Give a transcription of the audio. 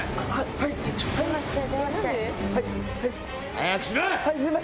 早くしろ！